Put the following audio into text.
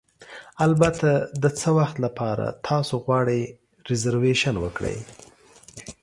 البته، د څه وخت لپاره تاسو غواړئ ریزرویشن وکړئ؟